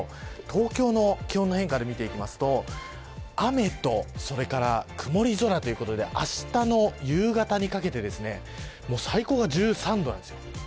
東京の気温の変化で見ていきますと雨と曇り空ということであしたの夕方にかけて最高が１３度です。